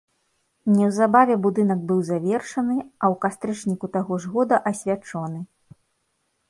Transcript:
Неўзабаве будынак быў завершаны, а ў кастрычніку таго ж года асвячоны.